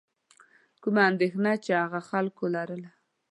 کومه اندېښنه چې هغو خلکو لرله.